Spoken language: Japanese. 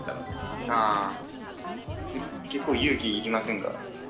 あそれ結構勇気要りませんか。